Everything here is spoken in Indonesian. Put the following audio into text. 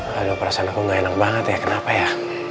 haduh perasaanku gak enak banget ya kenapa ya